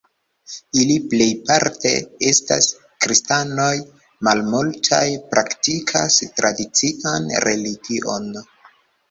Ili plejparte estas kristanoj, malmultaj praktikas tradician religion.